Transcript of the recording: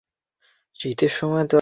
এটা তোমার অফিস।